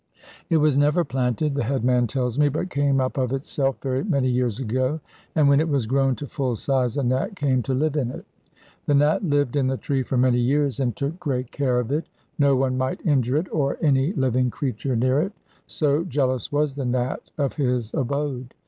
It was never planted, the headman tells me, but came up of itself very many years ago, and when it was grown to full size a Nat came to live in it. The Nat lived in the tree for many years, and took great care of it. No one might injure it or any living creature near it, so jealous was the Nat of his abode.